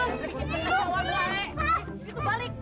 hah itu balik